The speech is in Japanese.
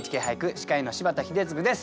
司会の柴田英嗣です。